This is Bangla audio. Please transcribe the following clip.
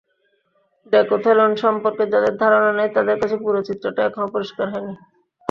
ডেকাথেলন সম্পর্কে যাঁদের ধারণা নেই, তাঁদের কাছে পুরো চিত্রটা এখনো পরিষ্কার হয়নি।